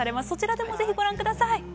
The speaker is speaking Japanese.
そちらでも是非ご覧ください。